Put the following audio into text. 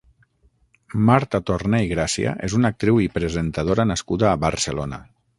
Marta Torné i Gràcia és una actriu i presentadora nascuda a Barcelona.